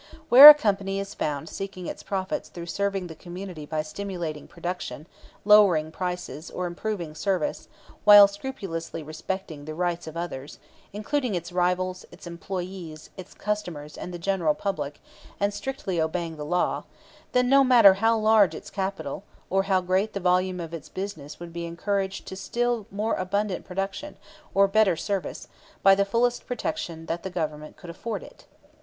Where a company is found seeking its profits through serving the community by stimulating production, lowering prices, or improving service, while scrupulously respecting the rights of others (including its rivals, its employees, its customers, and the general public), and strictly obeying the law, then no matter how large its capital, or how great the volume of its business it would be encouraged to still more abundant production, or better service, by the fullest protection that the Government could afford it.